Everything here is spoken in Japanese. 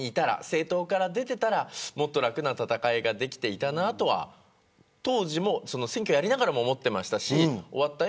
政党から出ていたらもっと楽な戦いができていたなとは選挙やりながらも思っていましたし終わった